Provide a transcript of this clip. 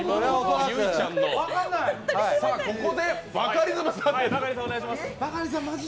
ここでバカリズムさん。